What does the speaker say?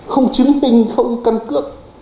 không chứng minh không căn cước